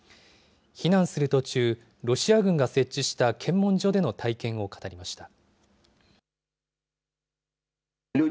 避難する途中、ロシア軍が設置した検問所での体験を語りました。